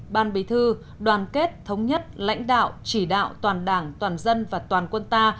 ban bí thư đoàn kết thống nhất lãnh đạo chỉ đạo toàn đảng toàn dân và toàn quân ta